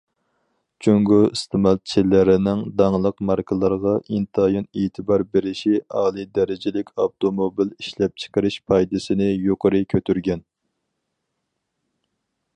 جۇڭگو ئىستېمالچىلىرىنىڭ داڭلىق ماركىلارغا ئىنتايىن ئېتىبار بېرىشى ئالىي دەرىجىلىك ئاپتوموبىل ئىشلەپچىقىرىش پايدىسىنى يۇقىرى كۆتۈرگەن.